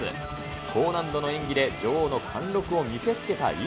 高難度の演技で女王の貫禄を見せつけた乾。